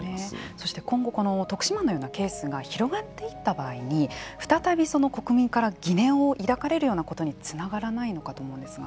そして、今後徳島のようなケースが広がっていった場合に再び、国民から疑念を抱かれるようなことにつながらないのかと思うのですが。